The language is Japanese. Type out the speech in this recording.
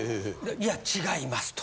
いや違いますと。